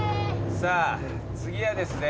さあ次はですね